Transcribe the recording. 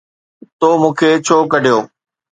”تو مون کي ڇو ڪڍيو؟